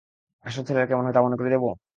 আসল ছেলেরা কেমন হয় তা মনে করিয়ে দেব?